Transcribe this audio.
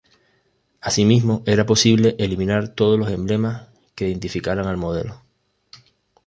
Así mismo, era posible eliminar todos los emblemas que identificaran al modelo.